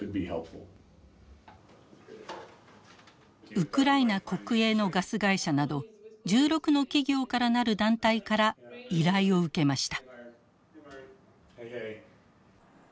ウクライナ国営のガス会社など１６の企業から成る団体から依頼を受けました。